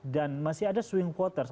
dan masih ada swing spotters